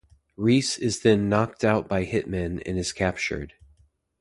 Reese is then knocked out by hitmen and is captured.